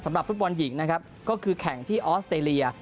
สำหรับฟุตบอลหญิงนะครับก็คือแข่งที่ออสเตรเลีย